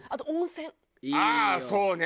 ああそうね！